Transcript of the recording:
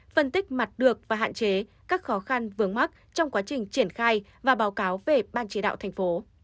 phân tích mặt được và hạn chế các khó khăn vướng mắt trong quá trình triển khai và báo cáo về ban chế đạo tp